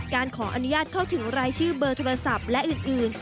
การขออนุญาตเข้าถึงรายชื่อเบอร์โทรศัพท์และอื่น